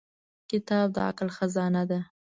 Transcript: • کتاب د عقل خزانه ده.